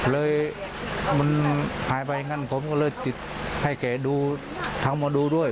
เลยมันหายไปอย่างนั้นผมก็เลยติดให้แกดูทางหมอดูด้วย